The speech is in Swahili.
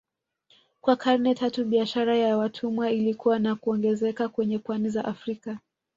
Kwa karne tatu biashara ya watumwa ilikua na kuongezeka kwenye pwani za Afrika